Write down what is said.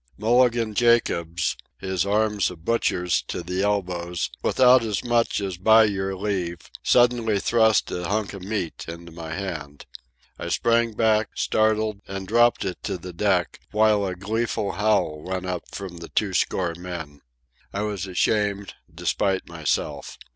Mulligan Jacobs, his arms a butcher's to the elbows, without as much as "by your leave," suddenly thrust a hunk of meat into my hand. I sprang back, startled, and dropped it to the deck, while a gleeful howl went up from the two score men. I was shamed, despite myself.